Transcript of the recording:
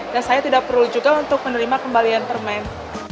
dan saya tidak perlu juga untuk menerima kembalian permen